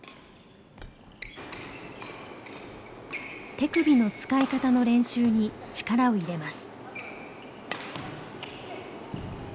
手首の使い方の練習に力を入れます。